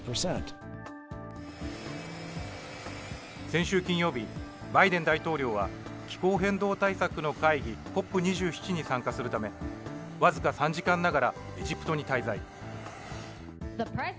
先週金曜日、バイデン大統領は気候変動対策の会議、ＣＯＰ２７に参加するため、僅か３時間ながらエジプトに滞在。